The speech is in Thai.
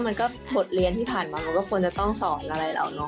มันก็บทเรียนที่ผ่านมาเราก็ต้องสอนอะไรแล้ว